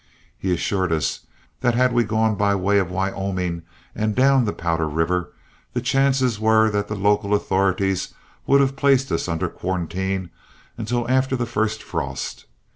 He assured us that had we gone by way of Wyoming and down the Powder River, the chances were that the local authorities would have placed us under quarantine until after the first frost.